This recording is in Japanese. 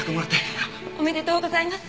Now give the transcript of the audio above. おめでとうございます。